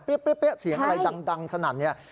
เป๊ะเสียงอะไรดังสนั่นเนี่ย